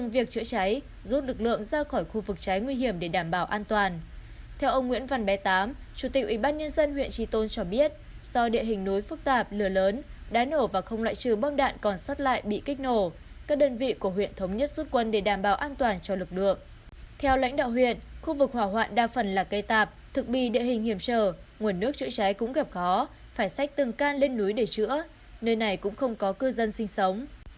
vì địa hình hiểm trở nguồn nước chữa trái cũng gặp khó phải xách từng can lên núi để chữa nơi này cũng không có cư dân sinh sống